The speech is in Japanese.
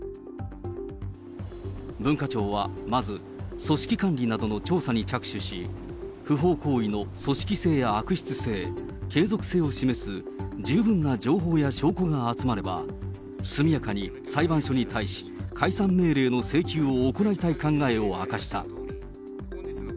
文化庁はまず組織管理などの調査に着手し、不法行為の組織性や悪質性、継続性を示す十分な情報や証拠が集まれば、速やかに裁判所に対し、解散命令の請求を行いたい考えを明かした。